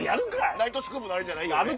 『ナイトスクープ』のじゃないよね。